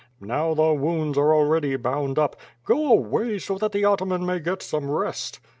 Now the wounds are already bound up. Go away so that the ataman may get some rest.